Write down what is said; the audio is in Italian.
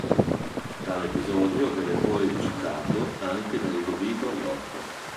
Tale episodio venne poi citato anche da Ludovico Ariosto.